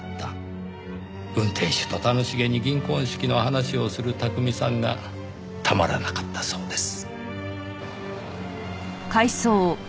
運転手と楽しげに銀婚式の話をする巧さんがたまらなかったそうです。